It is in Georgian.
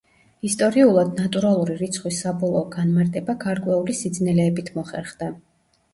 ისტორიულად, ნატურალური რიცხვის საბოლოო განმარტება გარკვეული სიძნელეებით მოხერხდა.